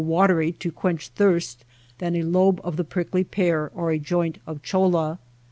watery to quench thirst than a lobe of the prickly pear or a joint of cholla.